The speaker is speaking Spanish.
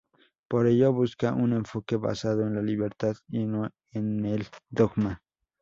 Por ello busca un enfoque basado en la libertad y no en el dogma.